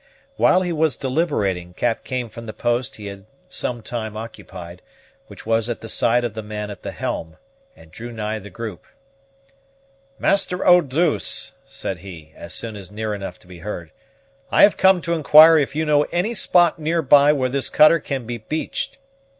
While he was deliberating, Cap came from the post he had some time occupied, which was at the side of the man at the helm, and drew nigh the group. "Master Eau douce," said he, as soon as near enough to be heard, "I have come to inquire if you know any spot near by where this cutter can be beached?